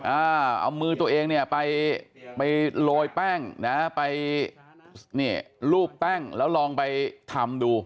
อ่าเอามือตัวเองเนี่ยไปไปโรยแป้งนะไปนี่รูปแป้งแล้วลองไปทำดู